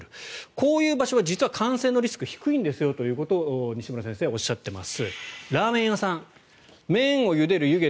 こういう場所は実は感染のリスクが低いんですよということを西村先生はおっしゃっています。